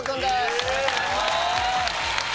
よろしくお願いします。